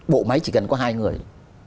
bộ máy chỉ cần có hai người